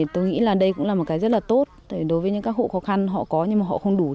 tôi nghĩ đây cũng là một cái rất tốt đối với các hộ khó khăn họ có nhưng họ không đủ